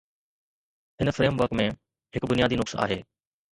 هن framework ۾ هڪ بنيادي نقص آهي.